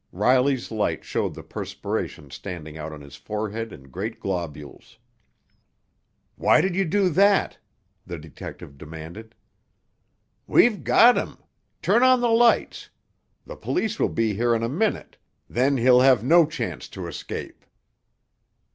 Riley's light showed the perspiration standing out on his forehead in great globules. "Why did you do that?" the detective demanded. "We've got him! Turn on the lights! The police will be here in a minute, then he'll have no chance to escape!"